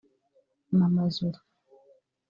Mama Zoulu